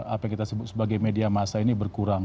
apa yang kita sebut sebagai media masa ini berkurang